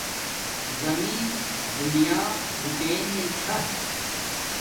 زمین دنیا بوتنگا چھا